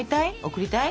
贈りたい？